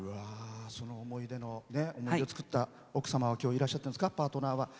その思い出を作った奥様は今日、いらっしゃってるんですかパートナーは。